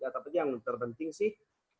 tapi yang terpenting sih